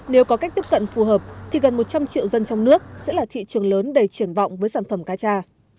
nếu có cách tiếp cận phù hợp thì gần một trăm linh triệu dân trong nước sẽ là thị trường lớn đầy triển vọng với sản phẩm cá trà